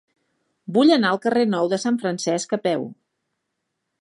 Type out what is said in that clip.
Vull anar al carrer Nou de Sant Francesc a peu.